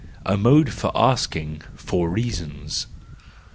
A Mode of Asking for Reasons.